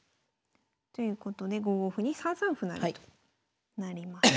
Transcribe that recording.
ということで５五歩に３三歩成となります。